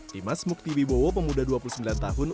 timas muktibibowo pemuda dua puluh sembilan tahun